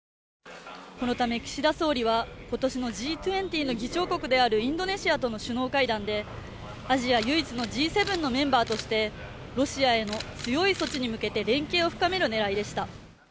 このため岸田総理は、今年のＧ２０の議長国であるインドネシアとの首脳会談でアジア唯一のＧ７のメンバーとしてロシアへの強い措置へ向けて連携を深める狙いでした。